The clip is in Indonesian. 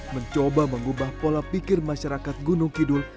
mencoba mengubah pola pikir masyarakat gunung kidul